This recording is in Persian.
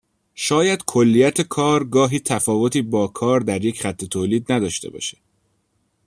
شاید کلیت کار گاهی تفاوتی با کار در یک خط تولید نداشته باشه.